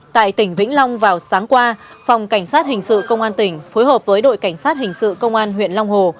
tại tỉnh vĩnh long vào sáng qua phòng cảnh sát hình sự công an tỉnh phối hợp với đội cảnh sát hình sự công an huyện long hồ